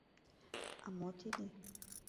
— А мо тиде?